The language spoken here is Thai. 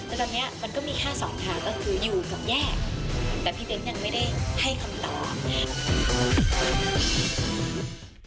แต่พี่เบนก็ไม่ได้ให้คำตอบ